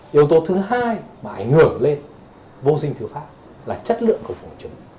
yếu tố thứ hai mà ảnh hưởng lên vô sinh thứ pháp là chất lượng của vỏ trứng